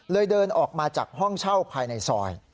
เดินออกมาจากห้องเช่าภายในซอย